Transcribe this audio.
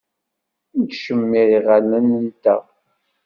Nettcemmiṛ iɣallen-nteɣ.